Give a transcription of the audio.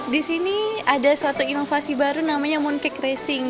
di sini ada suatu inovasi baru namanya mooncake racing